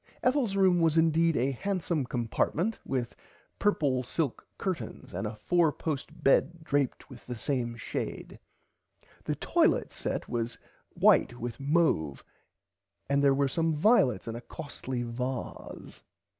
Ethels room was indeed a handsome compartment with purple silk curtains and a 4 post bed draped with the same shade. The toilit set was white and mouve and there were some violets in a costly varse.